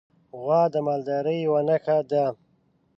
غوا د مالدارۍ یوه نښه ده.